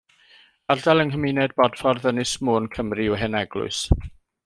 Ardal yng nghymuned Bodffordd, Ynys Môn, Cymru yw Heneglwys.